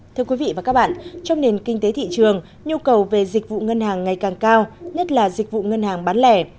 thưa quý vị và các bạn trong nền kinh tế thị trường nhu cầu về dịch vụ ngân hàng ngày càng cao nhất là dịch vụ ngân hàng bán lẻ